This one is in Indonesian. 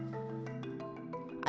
pembangunan tanggul ncicd kembali dilanjutkan